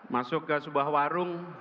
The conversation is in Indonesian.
masuk ke sebuah warung